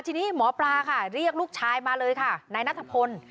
ทีนี้หมอปลาค่ะเรียกลูกชายมาเลยค่ะนายนัทพล